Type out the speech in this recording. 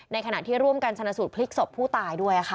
ขณะที่ร่วมกันชนะสูตรพลิกศพผู้ตายด้วยค่ะ